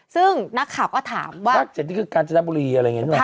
ซึ่งนักข่าวก็ถามว่าภาค๗นี่คือกาญจนบุรีอะไรอย่างนี้หรอ